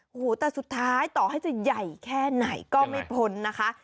โอ้โหแต่สุดท้ายต่อให้จะใหญ่แค่ไหนก็ไม่พ้นนะคะ